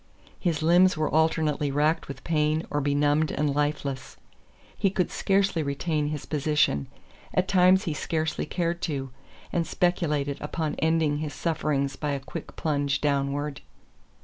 His limbs were alternately racked with pain or benumbed and lifeless. He could scarcely retain his position at times he scarcely cared to and speculated upon ending his sufferings by a quick plunge downward.